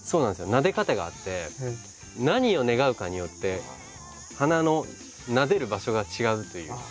なで方があって何を願うかによって鼻のなでる場所が違うという。